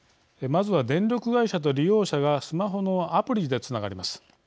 まずは、電力会社と利用者がスマホのアプリでつながります。